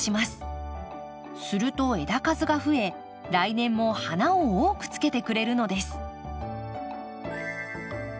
すると枝数が増え来年も花を多くつけてくれるのです。